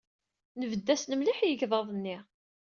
Nebded-asen mliḥ i yegḍaḍ-nni.